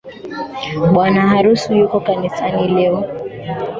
Bwana harusi yuko kanisani leo.